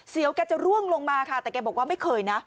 วแกจะร่วงลงมาค่ะแต่แกบอกว่าไม่เคยนะ